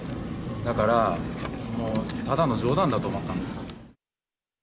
だから、ただの冗談だと思ったんです。